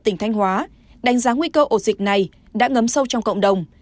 tỉnh thanh hóa đánh giá nguy cơ ổ dịch này đã ngấm sâu trong cộng đồng